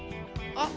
あっ！